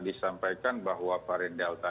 disampaikan bahwa varian delta